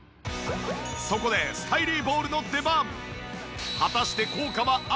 そこでスタイリーボールの出番。